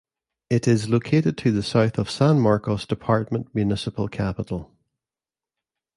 It is located to the south of San Marcos Department municipal capital.